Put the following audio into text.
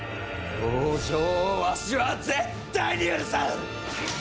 北条をわしは絶対に許さん！